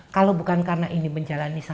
kalau bukan karena ini menjalani satu hal